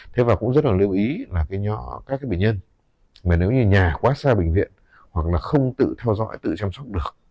thế và cũng rất là lưu ý là cái bệnh nhân mà nếu như nhà quá xa bệnh viện hoặc là không tự theo dõi tự chăm sóc được